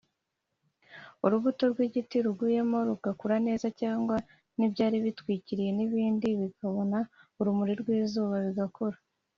urubuto rw’igiti ruguyemo rugakura neza cyangwa n’ibyari bitwikiriwe n’ibindi bikabona urumuri rw’izuba bigakura